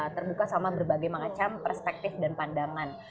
terbuka sama berbagai macam perspektif dan pandangan